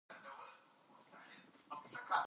افغانستان کې ژمی د هنر په اثار کې منعکس کېږي.